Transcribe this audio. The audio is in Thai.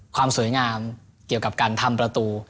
ความสวยงามเกี่ยวกับการทำประตู